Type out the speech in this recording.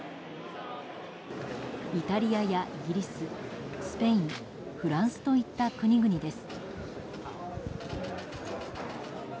イタリアやイギリス、スペインフランスといった国々です。